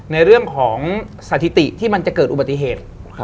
ในเรื่องของสถิติที่มันจะเกิดอุบัติเหตุ